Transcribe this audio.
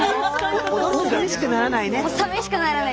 さみしくならないね。